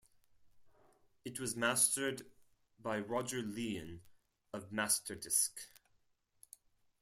It was mastered by Roger Lian of Masterdisk.